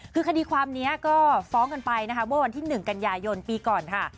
คือคดีความนี้ก็ฟ้องกันไปนะคะเมื่อวันที่๑กันยายนปีก่อนค่ะ